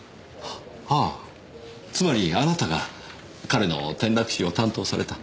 ああつまりあなたが彼の転落死を担当された。